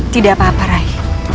tidak apa apa rai